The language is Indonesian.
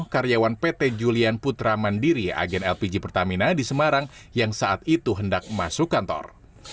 karyawan pt julian putra mandiri agen lpg pertamina di semarang yang saat itu hendak masuk kantor